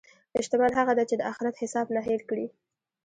شتمن هغه دی چې د اخرت حساب نه هېر کړي.